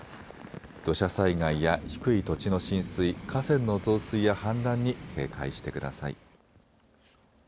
土砂災害や低い土地の浸水、河川の増水や氾濫に警戒してください。